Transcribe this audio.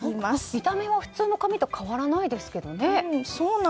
見た目は普通の紙と変わらないですね。